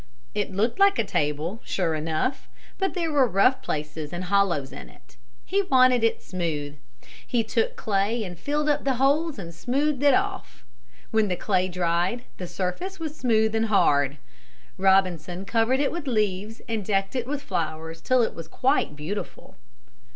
It looked like a table, sure enough, but there were rough places and hollows in it. He wanted it smooth. He took clay and filled up the holes and smoothed it off. When the clay dried, the surface was smooth and hard. Robinson covered it with leaves and decked it with flowers till it was quite beautiful.